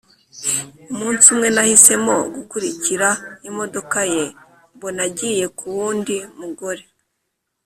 umunsi umwe, nahisemo gukurikira imodoka ye mbona agiye ku wundi mugore